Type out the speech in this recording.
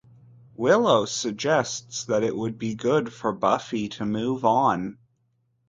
Willow suggests that it would be good for Buffy to move on.